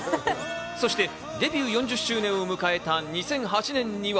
そしてデビュー４０周年を迎えた２００８年には。